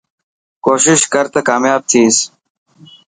ڪوشش ڪر ته ڪامياب ٿيس.